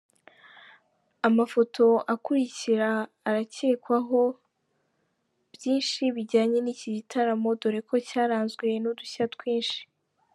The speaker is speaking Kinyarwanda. Amafoto akurikira arakwereka byinshi bijyanye n'iki gitaramo doreko cyaranzwe n'udushya twinshi.